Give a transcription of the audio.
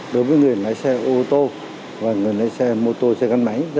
đối với người lái xe ô tô và người lái xe mô tô xe gắn máy